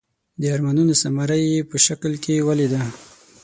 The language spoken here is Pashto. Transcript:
د ارمانونو ثمره یې په شکل کې ولیده.